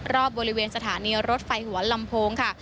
รอบบริเวณสถานีรถไฟหัวลำโพงค่ะ